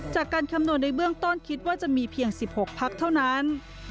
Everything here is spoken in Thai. คำนวณในเบื้องต้นคิดว่าจะมีเพียง๑๖พักเท่านั้น